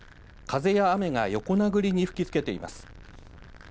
風や雨が横殴りに吹きつけています。